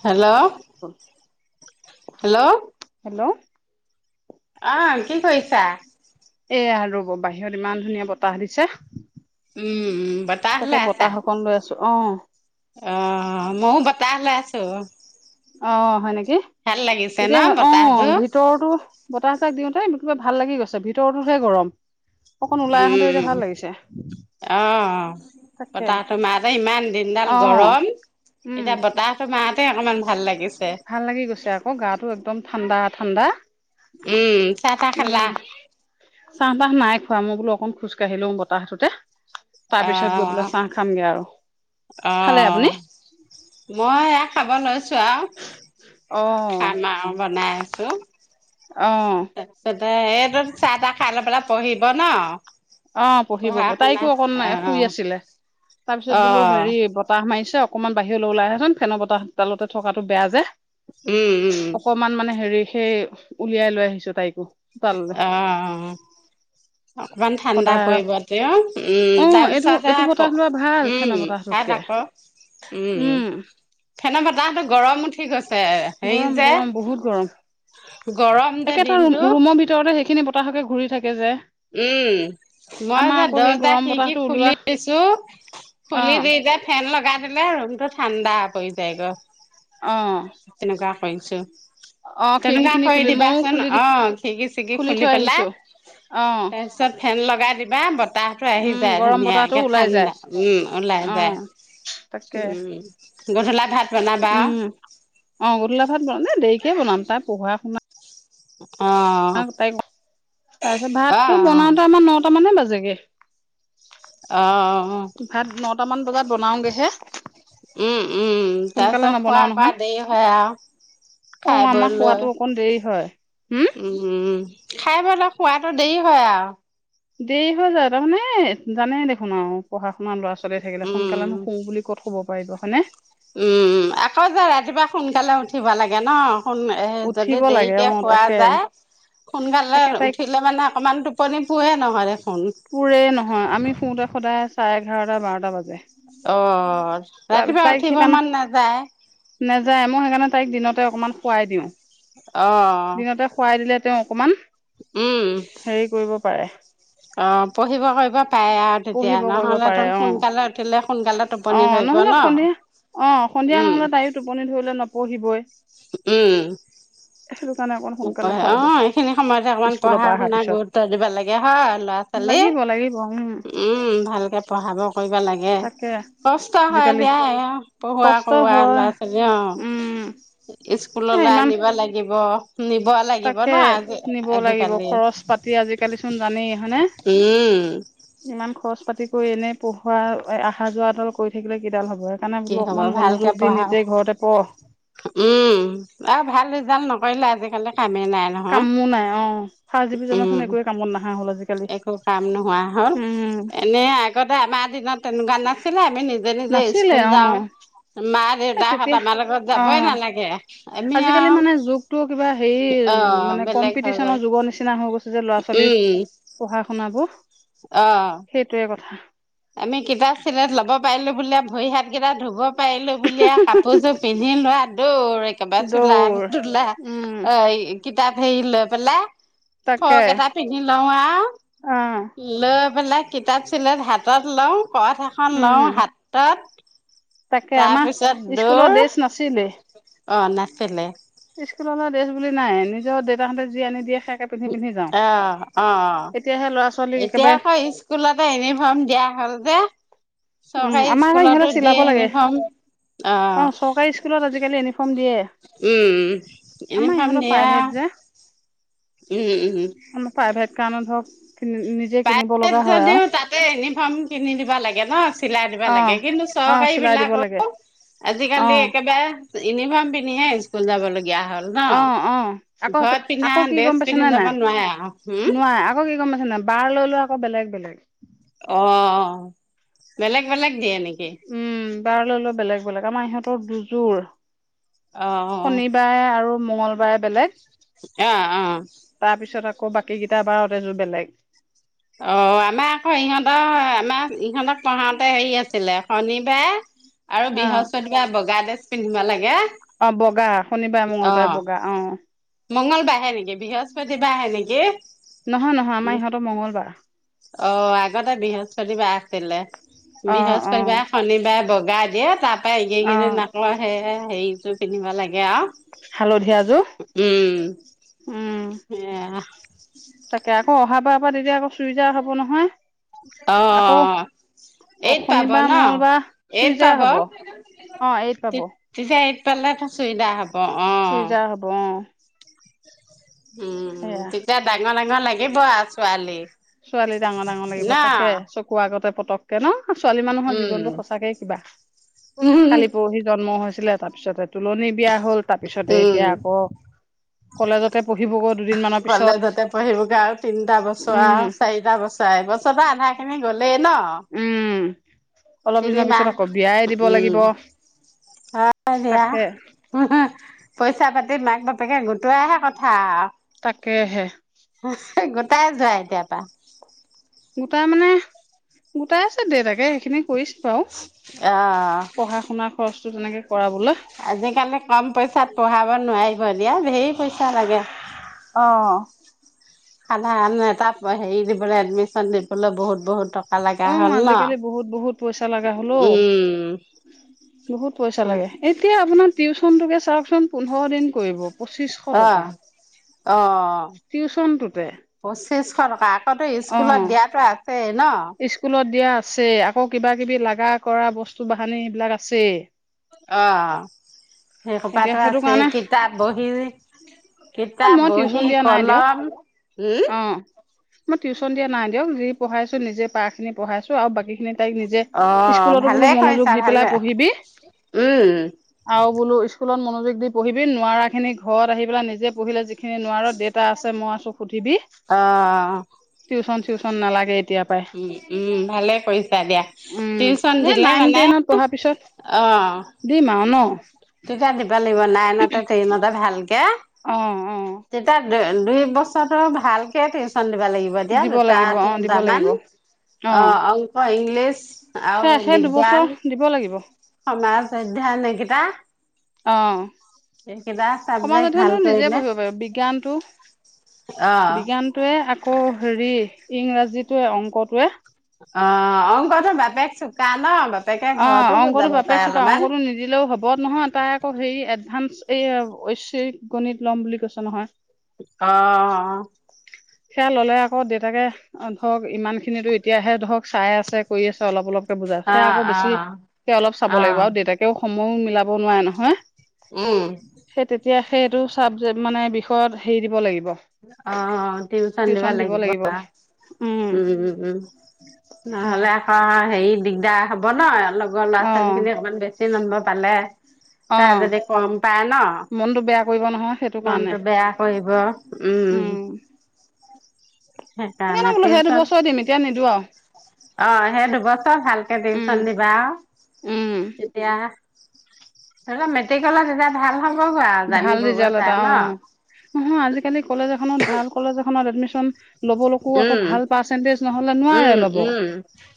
Hello. Hello. Hello. আহ কি কৰিছা? এয়া ৰ'ব বাহিৰত ইমান ধুনীয়া বতাহ দিছে উম উম বতাহ তাকে বতাহ অকন লৈ আছো অ'। অহ ময়ো বতাহ লৈ আছো অ' হয় নেকি? ভাল লাগিছে ন এতিয়া বতাহটো অ', ভিতৰতো বতাহ চাক দিওঁতে কিবা ভাল লাগি গৈছে ভিতৰতোহে গৰম। অকণ ওলাই আহোতে এতিয়া উম ভাল লাগিছে। অ তাকে বতাহটো মাহতে ইমান দিনডাল অ গৰম উম এতিয়া বতাহটো মাওতে অকনমান ভাল লাগিছ ভাল লাগি গৈছে আকৌ গাটো একদম ঠাণ্ডা ঠাণ্ডা উম চাহ তাহ খালা উম, চাহপাহ নাই খোৱা মই বোলো অকণ খোজকাঢ়ি লোম বতাহতোতে তাৰ পিছত গৈ পেলাই চাহ খামগে আৰু। খালে আহ আপুনি মই এহ খাব লৈছো অ খাম আৰু বনাই আছোঁ। অ তাৰছতে সেটো চাহ তাহ খাই লৈ পেলাই পঢ়িব নহ অ পঢ়িব তাইকো অকণ শুই অ আছিলে তাৰপিছত বোলো অ', হেৰি, বতাহ মাৰিছে অকনমান বাহিৰলৈ ওলাই আহচোন, ফেনৰ বতাহ ছোতালতে থকাতটো বেয়া যে উম, উম, অকমান মানে হেৰি সেই উলিয়াই লৈ আহিছো তাইকো চোতাললৈ আহ অকমান ঠাণ্ডা সদায় পৰিব তেও, উম অ তাৰ এইটো পিছত হে এইটো বতাহ আকৌ লোৱা ভাল উম, ফেনৰ হিয়াত বতাহটোতকে আকৌ উম, ফেনৰ বতাহটো গৰম উঠি গৈছে হেৰি গৰম যে গৰম বহুত গৰম গৰম যে একেটা ৰুম দিনটো ৰুমৰ ভিতৰতে হ সেইখিনি বতাহকে ঘূৰি থাকে যে উম, মই আমাৰ যে আকৌ সেই দৰ্জা গৰম খিৰিকি বতাহটো ওলোৱা খুলি দিছো অ খুলি দি এতিয়া ফেন লগাই দিলে ৰুমটো ঠাণ্ডা পৰি যায়গৈ অ অ [unintelligible] খিৰিকী তেনেকুৱা খিনি কৰি খুলি ময়ও দিবাচোন খুলি দি অহ, খিৰিকি চিৰকি খুলি থৈ আহিছো পেলাই অ তাৰপিছত ফেন লগাই দিবা তাহো আহি উম যায় গৰম বতাহটো ধুনীয়াকে ওলাই যায় ঠাণ্ডা উম ওলাই অ যায় তাকে উম গধূলা ভাত বনাবা উম অ গধলা ভাত, এ দেৰিকে বনাম, তাত পঢ়া শুনা অঁ অ তাই ক তাৰপিছত অঁ ভাতটো বনাওতে আমাৰ নটা মানে বাজেগে অহ ভাত নটামান বজাত বনাওঁগেহে উম উম, তাৰ পিছত খোৱা কোৱা নহয় দেৰি হয় আৰু অ আমাৰ খোৱাতো অকণ দেৰি হয় উম উম, খাই পেলাই খোৱাটো দেৰি হয় আৰু দেৰি হৈ যায়, তাৰমানে জানে দেখোন আৰু পঢ়া শুনা অকণমান ল'ৰা ছোৱালী‌ থাকিলে উম সোনকালেনো শুও বুলি ক'ত শুব পাৰিব, হয়নে উম আকৌ যে ৰাতিপুৱা সোনকালে উঠিব লাগে ন যদি উঠিব লাগে দেৰিকে অ খোৱা তাকে যায় সোনকালে তাকে তাইক উঠিলে মানে অকনমান টোপনি পোহে নহয় দেখোন পুৰে নহয় আমি শুতে সদায় চাৰে এঘাৰটা বাৰটা বাজে অহ, তাৰপিছত ৰাতিপুৱা তাইক উঠিব সেইকাৰণে মন নাযায়। নেযায় মই সেইকাৰণে তাইক দিনতে অকমান শুৱাই দিওঁ অ' দিনতে শুৱাই দিলে তেওঁ অকমান হেৰি কৰিব পাৰে অ অ পঢ়িব কৰিব পাৰে আৰু তেতিয়া পঢ়িব কৰিব নহলে পাৰে তম অ সোনকালে উঠিলে সোনকালে অ টোপনি ধৰি নহলে সন্ধিয়া অ সন্ধিয়া নহলে তাইয়ো টোপনি ধৰিলে নপঢ়িবই উম সেইটো কাৰণে অকণ সোনকালে নপঢ়ে অ খুৱাই দিওঁ এইখিনি সময়তে অকমান স্কুলৰ পঢ়া পৰা অহাৰ শুনা পিছত গুৰুত্ব দিব লাগে হয় ল'ৰা ছোৱালী লাগিব লাগিব উম উম ভালকে পঢ়াব কৰিব লাগে ক তাকে কষ্ট হয় আজিকালি দিয়া পঢ়োৱা কষ্ট কৰোৱা হয় ল'ৰা ছোৱালী অ উম এ স্কুললৈ ইমান আনিব লাগিব নিব লাগিব ন তাকে আজি নিব লাগিব আজিকালি খৰচ পাতি আজিকালিচোন জানেই হয়নে উম ইমান খৰচ পাতি কৰি এনেই পঢ়োৱা অহা যোৱা এডাল কৰি থাকিলে কিডাল হ'ব আৰু সেইকাৰণে কি বোলো হ'ব অকণমান ভালকে মনোযোগ দি পঢ়া নিজেই ঘৰতে পঢ় উম আৰু ভাল ৰিজাল্ট নকৰিলে আজিকালি কামে নাই নহয় কামো নাই অ ফাৰ্ষ্ট উম ডিভিজনচোন একোৱে কামত নাহা হ'ল আজিকালি একো কাম নোহোৱা হয় উম, [unintelligible] এনে আগতে আমাৰ দিনত তেনেকুৱা নাছিলে, আমি নিজে নিজে নাছিলে স্কুল যাওঁ৷ অ', মা এ দেউতাহঁত তেতিয়া আমাৰ লগত যাবই অ', নালাগে৷ আমি আজিকালি আৰু মানে যুগটো কিবা অ হেৰি, মানে বেলেগ হৈ গ'ল কম্পিটিচনৰ যুগৰ নিচিনা হৈ গৈছে যে ল'ৰা ছোৱালী উম পঢ়া শুনাবোৰ, অ সেইটোৱে কথা আমি কিতাপ চিলেথ লব পাৰিলো বুলিয়ে ভৰি হাত কেইটা ধুব পাৰিলো বুলিয়ে কাপোৰযোৰ পিন্ধি লোৱা দৌৰ একেবাৰে চোলা দৌৰ তোলা উম, এৰি কিতাপ হেই লৈ পেলায় তাকে ফৰক এটা পিন্ধি লওঁ আও অ', লৈ পেলাই কিতাপ চিলেট হাত হাতত লওঁ কঠ এখন উম, লওঁ হাতত তাকে আমাৰ তাৰপিছত স্কুলৰ দৌৰ, ড্ৰেছ অ নাছিলে। স্কুলৰ পৰা ডেছ বুলি নাই নিজৰ দেউতাহঁতে যি আনি দিয়ে সেয়াকে পিন্ধি পিন্ধি যাওঁ অহ অ। এতিয়াহে ল'ৰা ছোৱালীক এতিয়া একেবাৰে আকৌ স্কুলতে ইউনিফৰ্ম দিয়া হ'ল যে উম, চৰকাৰী আমাৰ আকৌ ইহঁতে স্কুলতো দিয়ে চিলাব লাগে ইউনিফৰ্ম। অ চৰকাৰী স্কুলত আজিকালি ইউনিফৰ্ম দিয়ে৷ উম আমাৰ ইউনিফৰ্ম ইহঁতৰ দিয়ে প্ৰাইভেট যে আমাৰ প্ৰাইভেট কাৰণত ধৰক নিজেই যদিও তাতে ইউনিফৰ্ম কিনি দিবা লাগে। ন চিলাই দিবা অ', লাগে৷কিন্তু অ', চৰকাৰী চিলাই দিব বিলাকো লাগে আজিকালি অ', একেবাৰে ইউনিফৰ্ম পিন্ধিহে স্কুল যাব ল গীয়া হ'ল অ', অ', আকৌ ন। ঘৰত পিন্ধা আকৌ কি গম ড্ৰেছ পাইছেনে পিন্ধি নাই যাব নোৱাৰা আও৷ হম্? নোৱাৰে আকৌ কি গম পাইছ নাই বাৰ লৈ লৈ আকৌ বেলেগ বেলেগ। অহ বেলেগ বেলেগ দিয়ে নেকি? উম বাৰ লৈ লৈ বেলেগ বেলেগ আমাৰ ইহঁতৰ দুযোৰ। অ' শনিবাৰে আৰু মঙংগলবাৰে বেলেগ, অ অহ। তাৰ পিছত আকৌ বাকী কেইটা বাৰত এযোৰ বেলেগ৷ অ আমাৰ আকৌ ইহঁতৰ আমাৰ ইহঁতক পঢ়াওতে হেৰি আছিলে, শনিবাৰে আৰু অ', বৃহস্পতিবাৰে বগা ড্ৰেছ পিন্ধিব লাগে। অ বগা শনিবাৰে মংগলবাৰে বগা অহ। মংগল বাৰেহে নেকি? বৃহস্পতি বাৰেহে নেকি? নহয় নহয় আমাৰ ইহঁতৰ মংগলবাৰ। অ আগতে বৃহস্পতিবাৰ আছিলে। অ', অ', বৃহস্পতিবাৰে শনিবাৰে বগ গা দিয়ে। তাপা অ', এইকেইদিন আকৌ সেয়া হেৰীযোৰ পিন্ধিব লাগে হালধীয়াযোৰ আৱ। উম উম, সেয়া। তাকে আকৌ অহা বাৰ পৰা তেতিয়া আকৌ চুইজাৰ হ'ব নহয়। আকৌ অ' অ এইট পাব শনিবাৰ, ন মঙলবাৰ এইট চুইজাৰ পাব। হ'ব৷ অ এইট পাব ৷ তেতিয়া এইট পালে চুইদাৰ হ'ব অ' চুইজাৰ হ'ব অহ। উম তেতিয়া ডাঙৰ ডাঙৰ লাগিব আৰু ছোৱালী৷ ছোৱালী ডাঙৰ ডাঙৰ লাগিব ন তাকে চকুৰ আগতে পতককে ন'? অহ ছোৱালী মানুহৰ উম জীৱনটো সঁচাকে কিবা ৷ কালি পৰহি জন্ম হৈ ছিলে ৷ তাৰপিছতে তুলনী বিয়া হ'ল, তাৰপিছতে এতিয়া আকৌ কলেজতে পঢ়িবগৈ অহ দুদিনমানৰ পিছত কলেজতে পঢ়িবগে আৰু তিনটা বছৰ আৱ। উম চাৰিটা বছৰ এবছৰটো আধা খিনি গ'লেই ন'? উম অলপ দিনৰ তিনিমাহ পিছত আকৌ বিয়াই হোঁ দিব লাগিব উম। হয় দিয়া। তাকে হো হো। পইচা পাতি মাক বাপেকে গোটোৱাহে কথা আৱ। কেহে। হো হো গোটাই যোৱা এতিয়াৰ পৰা৷ গোটাই মানে গোটাই আছে দেউতাকে সেইখিনি কৰিছে। হেল্ল'। অ পঢ়া শুনাৰ খৰচটো তেনেকে কৰাবলে। আজিকালি কম পইচাত পঢ়াব নোৱাৰিব দিয়া, ধেৰ পইচা লাগে। অ', সাধাৰণ এটা হেৰি দিবলৈ এডমিচন দিবলৈ বহুত-বহুত টকা, ভাল লগা অ', হ'ল ন। আজিকালি বহুত বহুত পইচা লগা হ'ল অ'। উম'। বহুত পইচা লাগে, এতিয়া আপোনাৰ টিউচনতোকে চাওঁকচোন পোন্ধৰ দিন কৰিব। পঁচিছশ অ টকা। অ' টিউচনটোতে পঁচিচশ টকা আকৌতো স্কুলত অ'। দিয়াতো আ স্কুলত দিয়া আছে, আকৌ কিবা কিবি লাগা কৰা বস্তু বাহানি এইবিলাক আছে এই। অহ'। এতিয়া সেইশোপাতো সেইটো আছে কাৰণে কিতাপ বহি। কিতাপ, বহী, কলম। উম অহ' মই টিউচন দিয়া নাই দিয়ক। যি পঢ়াইছো নিজে পাৰা খিনি পঢ়াইছো, আৰু বাকী খিনি তাইক নিজে অ' স্কুলতো বোলো ভালে মনোযোগ কৰিছা দি পেলাই ভালে পঢ়িবি, উম আৰু। বোলো স্কুলত মনোযোগ দি পঢ়িবি নোৱাৰাখিনি ঘৰত আহি পেলাই নিজে পঢ়িলে যিখিনি নোৱাৰা দেটা আছে মই আছোঁ। সুধিবি, অ' টিউচন চিউচন নালাগে এতিয়া পাই উম-উম, ভালে কৰিছা দিয়া উম টিউচন এ দিলে নাইন মানে টেনত পঢ়াৰ পিছত অহ' দিম আৰু ন তিতা দিব লাগিব, নাইনতে টেইনতে ভাল। অহ', অহ'। দুই বছৰটো ভালকে টিউচন দিবা লাগিব দিয়া, দিব দুটা লাগিব অ দিব তিনটামান। লাগিব অ অহ' অংক, ইংলিছ আৰু সেই সেই দুবছৰ বিজ্ঞান। দিব লাগিব সমাজ অধ্যান নেকিতা অহ' সমাজ চাবজেক্ট ভাল অধ্যয়নটো নিজে কৰিলে পঢ়িব পাৰি বিজ্ঞানতটো। অ' বিজ্ঞানটোৱে আকৌ হেৰি, ইংৰাজীটোৱে অংকটোৱে। অ' অংক তৰ বাপেক চোকা ন বাপে অহ' অংকটো বাপেক চুকা অংকটো নিদিলেও হ'ব নহয় তাই আকৌ হেৰি এডভানস। এইয়া ঐশ্বিক গণিত লম বুলি কৈছে নহয়। অহ'। সেয়া ল'লে আকৌ দেউতাকে ধৰক ইমান খিনো এতিয়াহে ধৰক চাই আছে কৰি আছে। অলপ অলপকে বুজাই, অ সেয়া আকৌ অ বেছি সেই অলপ অ চাব লাগিব, আৰু দেউতাকেও সময়ো মিলাব নোৱাৰে নহয়। উম'। এতিয়া সেইটো চাবজেক্ট মানে, বিষয়ত হেৰি দিব লাগিব। অহ' টিউচন দিব লাগিব বা। উম', উম', উম'। সেয়া নহলে আকৌ হেৰি দিগদাৰ হব ন। লগৰ অ', ল'ৰা-ছোৱালীখিনিয়ে অকণমান বেছি নম্বৰ পালে। তাৰ অ', যদি গম পায় ন, মনটো বেয়া কৰিব নহয় সেইটো কাৰণে মনটো বেয়া কৰিব। উম, সেইকাৰণে বোলো সেইকাৰণতে সেইটো চ বছৰ দিম এতিয়া নিদো আৰু অহ' সেই দুবছৰ ভালকে উম টিউচন দিবা আৰু উম তেতিয়াহে। এইবাৰ মেট্ৰিকলেত ৰিজাল্ট ভাল হ'ব গৈ ভাল জানিবগৈ ৰিজাল্ট এটা তাই অ ন। নহয় আজিকালি কলেজ এখনত ভাল কলেজ এখনত এডমিশন ল'বলৈকো আকৌ উম, ভাল পাৰ্চেণ্টেজ নহলে নোৱাৰে উম, ল'ব উম,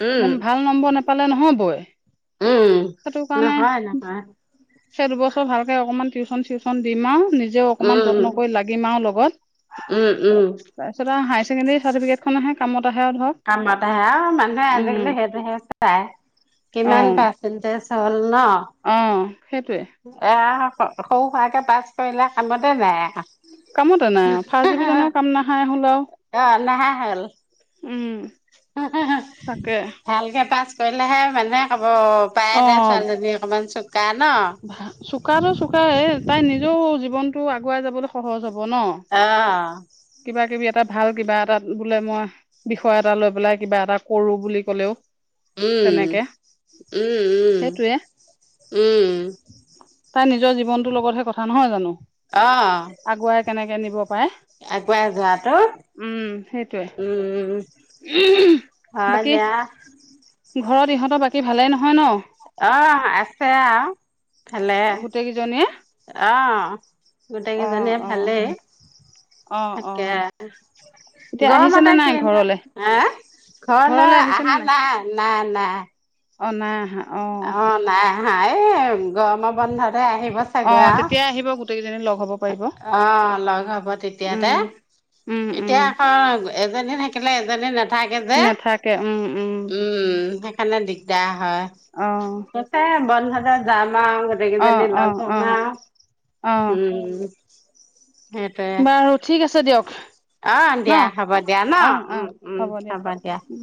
উম, একম ভাল নম্বৰ নাপালে। পালে নহয় বৈ। উম। সেইটো কাৰণে, নহয়, নহয়। এবছৰ দুবছৰ ভালকে অকমান টিউ টিউচন দিম আৰু নিজেও অকমান উম, যত্ন কৰি লাগিম আৰু লগত উম, উম। তাৰপিছত আৰু হাই হাই চেকেণ্ডাৰী চাৰ্টিফিকেটখন আহে কামত আহে আৰু ধৰক কামত আহে আৰু মানুহে উম আজিকালি সেইটোহে চাই। অ কিমান পাৰ্চেণ্টেজ। ন, অ সেইটোৱে অহ'। সৰু সুৰাকে পাছ কৰিলে কামতে নাই। কামতে নাই ফাৰ্ষ্ট ডিভিজনৰ [unintelligible] কাম নাহাই হ'ল আৰু অহ' নাহাঁহিল। উম তাকে ভাল কে পাচ কৰিলেহে মানুহে কব পায়ে দে ছোৱালীজনী অকমান চ ভ চোকটো চোকাই তাই নিজেও জীৱনতটো আগুৱাই যাবলৈ সহজ হ'ব হ'ব ন অ', কিবা কিবি এ এটা ভাল কিবা এটা বোলে মই বিষয় এটা লৈ পেলাই কিবা এটা কৰো বুলি ক'লেও উম তেনেকে উম সেইটোয়ে উম উম তাই নিজৰ জীৱনটো লগতহে কথা নহয় জানো অ আগুৱাই কেনেকে নিব পাৰে আগুৱাই যোৱাটো উম সেইটোৱে উম বাকী [unintelligible] ঘৰত ইহঁতৰ বাকী ভালেই নহয় ন অ আছে আহ ভালে গোটেই কেইজনীয়ে আহ গোটেই অ কেইজনীয়ে অ ভালেই। অ অ তাকে এতিয়া আহিছে নে গৰমতে নাই কিন ঘৰলে হ ঘৰ ঘৰলে লৈ আহিছে নে আহা নাই নাই নাই অ নাই আহা অ নাই হা এই গৰম বন্ধতে আহিব অ চাগৈ আৰু। তেতিয়া আহিব গোটেইকেইজনী লগ হ'ব পাৰিব অ লগ হব তেতিয়াতে উম উম উম এতিয়া আকৌ এজনী থাকিলে এজনী নাথাকে যে নাথাকে উম উম সেইকাৰণে দিগদাৰ হয় অ ত বনভোজত যামা আৰু অ গোটেইকেইজনী অ লগ অ হম আৰু। অ উম সেইটোৱে বাৰু ঠিক আছে দিয়ক। অ ন দিয়া হ'ব দিয়া ন অ উ অ উম দিয়ক হ'ব দিয়া। উম